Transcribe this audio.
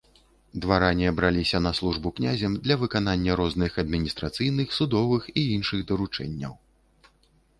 Дваране браліся на службу князем для выканання розных адміністрацыйных, судовых і іншых даручэнняў.